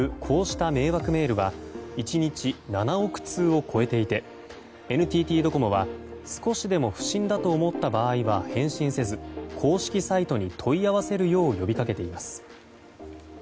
こうした迷惑メールは１日７億通を超えていてＮＴＴドコモは少しでも不審だと思った場合は返信せず公式サイトに問い合わせるように呼びかけています。